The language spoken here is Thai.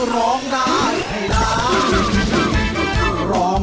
ร้องได้ให้ร้าน